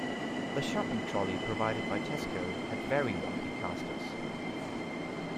The shopping trolley provided by Tesco had very wonky casters